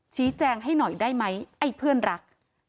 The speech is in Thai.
ชี้แจงให้หน่อยได้ไหมไอ้เพื่อนรัก